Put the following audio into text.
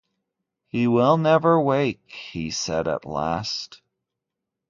“He will never wake,” he said at last.